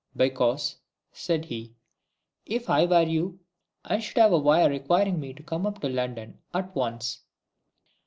"Because," said he, "if I were you, I should have a wire requiring me to come up to London at once."